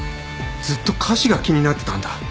ずっと歌詞が気になってたんだ。